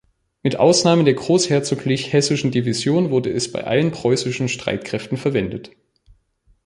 Mit Ausnahme der Großherzoglich Hessischen Division wurde es bei allen preußischen Streitkräften verwendet.